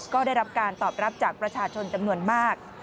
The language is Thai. ก็ได้รับการตอบรับจากประชาชนจำนวนมาก